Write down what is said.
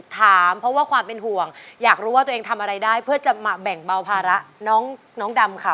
ถามเพราะว่าความเป็นห่วงอยากรู้ว่าตัวเองทำอะไรได้เพื่อจะมาแบ่งเบาภาระน้องดำค่ะ